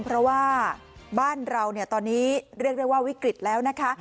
เพราะว่าบ้านเราตอนนี้เรียกได้ว่าวิกฤตแล้วนะคะ